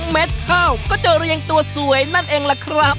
เท่าก็จะเรียงตัวสวยนั่นเองล่ะครับ